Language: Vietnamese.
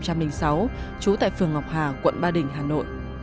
trú tại phường ngọc hà quận ba đình hà nội